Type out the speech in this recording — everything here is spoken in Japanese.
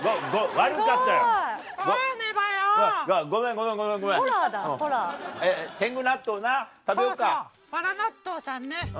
わら納豆さんね。